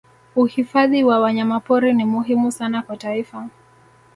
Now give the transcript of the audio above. uhifadhi wa wanyamapori ni muhimu sana kwa taifa